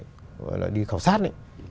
gọi là đi khảo sát đấy